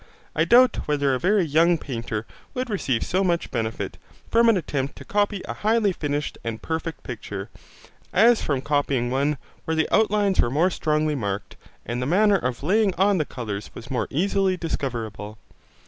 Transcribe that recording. I doubt whether a very young painter would receive so much benefit, from an attempt to copy a highly finished and perfect picture, as from copying one where the outlines were more strongly marked and the manner of laying on the colours was more easily discoverable.